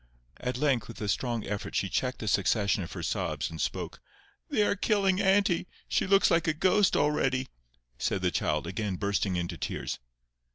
At length with a strong effort she checked the succession of her sobs, and spoke. "They are killing auntie. She looks like a ghost already," said the child, again bursting into tears.